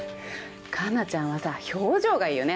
カナちゃんはさ表情がいいよね。